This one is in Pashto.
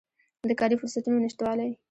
د کاري فرصتونو نشتوالی